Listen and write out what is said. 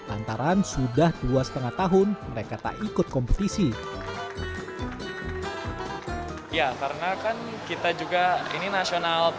antaraan sudah dua lima tahun mereka tak ikut kompetisi